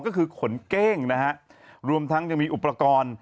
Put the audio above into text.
ก็คือขนเก้งนะฮะรวมทั้งยังมีอุปกรณ์